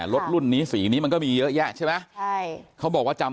รถรุ่นนี้สีนี้มันก็มีเยอะแยะใช้ไหม